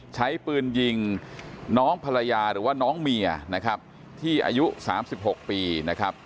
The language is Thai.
ใช้ปืนยิงน้องภรรยาหรือว่าน้องเมียนะครับที่อายุ๓๖ปีนะครับ